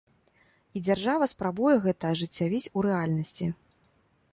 І дзяржава спрабуе гэта ажыццявіць у рэальнасці.